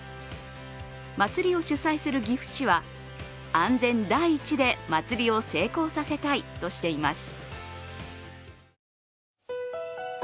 祭りを主催する岐阜市は安全第一で祭りを成功させたいとしています。